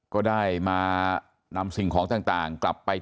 ก็ได้มานำสิ่งของต่างกลับไป